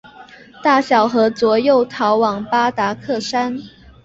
大小和卓又逃往巴达克山。